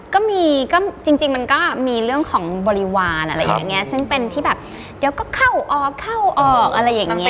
ก็มีก็จริงจริงมันก็มีเรื่องของบริวารอะไรอย่างเงี้ยซึ่งเป็นที่แบบเดี๋ยวก็เข้าออกเข้าออกอะไรอย่างเงี้